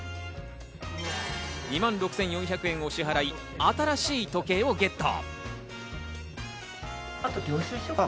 ２万６４００円を支払い、新しい時計をゲット。